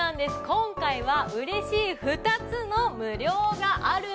今回は嬉しい２つの無料があるんです。